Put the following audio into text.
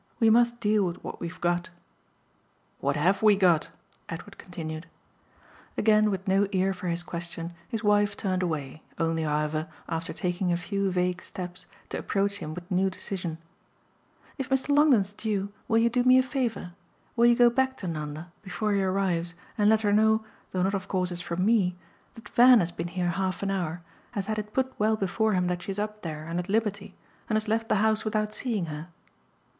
We must deal with what we've got." "What HAVE we got?" Edward continued. Again with no ear for his question his wife turned away, only however, after taking a few vague steps, to approach him with new decision. "If Mr. Longdon's due will you do me a favour? Will you go back to Nanda before he arrives and let her know, though not of course as from ME, that Van has been here half an hour, has had it put well before him that she's up there and at liberty, and has left the house without seeing her?"